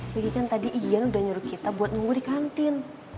kan tadi ian udah nyuruh kita buat nunggu di kantin